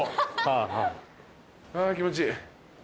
あ気持ちいい。